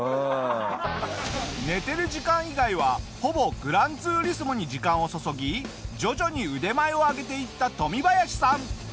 寝てる時間以外はほぼ『グランツーリスモ』に時間を注ぎ徐々に腕前を上げていったトミバヤシさん。